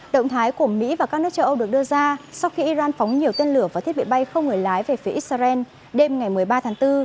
động thái của mỹ và các nước châu âu được đưa ra sau khi iran phóng nhiều tên lửa và thiết bị bay không người lái về phía israel đêm ngày một mươi ba tháng bốn